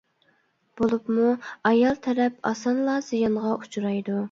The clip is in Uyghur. بولۇپمۇ ئايال تەرەپ ئاسانلا زىيانغا ئۇچرايدۇ.